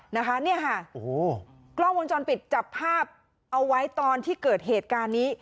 นะคะเนี่ยค่ะโอ้โหกล้องวงจรปิดจับภาพเอาไว้ตอนที่เกิดเหตุการณ์นี้